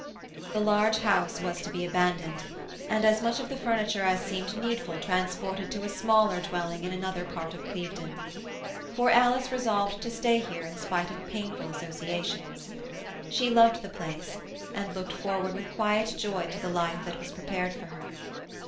The large house was to be abandoned, and as much of the furniture as seemed needful transported to a smaller dwelling in another part of Clevedon. For Alice resolved to stay here in spite of painful associations. She loved the place, and looked forward with quiet joy to the life that was prepared for her.